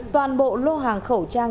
toàn bộ lô hàng khẩu trang